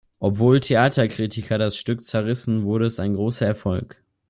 Obwohl Theaterkritiker das Stück zerrissen, wurde es ein großer Erfolg.